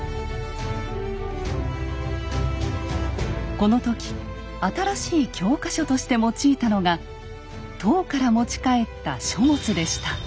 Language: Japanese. この時新しい教科書として用いたのが唐から持ち帰った書物でした。